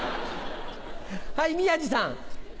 はい宮治さん。